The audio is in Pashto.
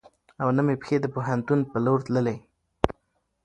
او نه مې پښې د پوهنتون په لور تلې .